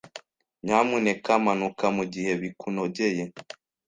Nyamuneka manuka mugihe bikunogeye.